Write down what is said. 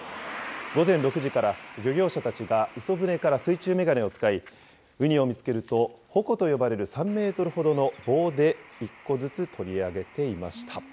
午前６時から漁業者たちが磯船から水中眼鏡を使い、ウニを見つけると、ほこと呼ばれる３メートルほどの棒で一個ずつ取り上げていました。